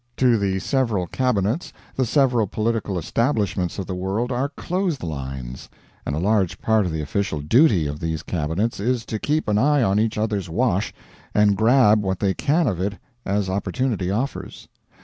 To the several cabinets the several political establishments of the world are clotheslines; and a large part of the official duty of these cabinets is to keep an eye on each other's wash and grab what they can of it as opportunity offers.